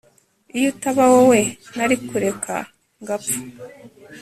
iyo utaba wowe nari kureka ngapfa